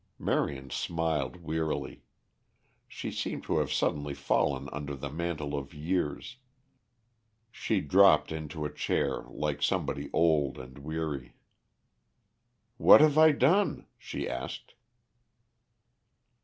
Marion smiled wearily. She seemed to have suddenly fallen under the mantle of years. She dropped into a chair like somebody old and weary. "What have I done?" she asked.